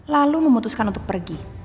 lalu memutuskan untuk pergi